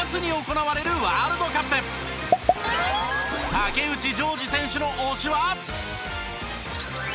竹内譲次選手の推しは。